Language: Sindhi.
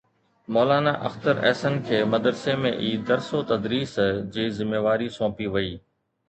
مولانا اختر احسن کي مدرسي ۾ ئي درس و تدريس جي ذميواري سونپي وئي